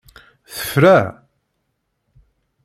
Tefra?